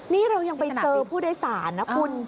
นี่เรายังไปเจอผู้โดยสารนะคุณ